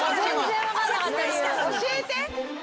教えて。